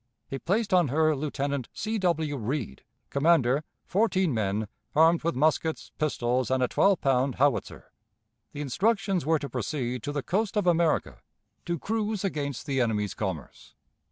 He placed on her Lieutenant C. W. Read, commander, fourteen men, armed with muskets, pistols, and a twelve pound howitzer. The instructions were to proceed to the coast of America, to cruise against the enemy's commerce.